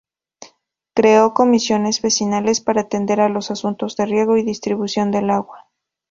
Creó comisiones vecinales para atender a los asuntos de riego y distribución del agua.